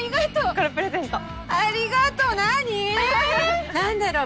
これプレゼントありがとなんだろう？